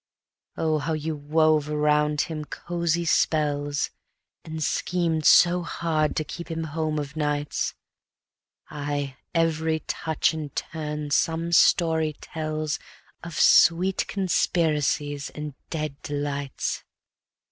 Oh, how you wove around him cozy spells, And schemed so hard to keep him home of nights! Aye, every touch and turn some story tells Of sweet conspiracies and dead delights.